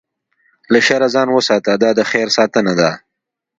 له شره ځان وساته، دا د خیر ساتنه ده.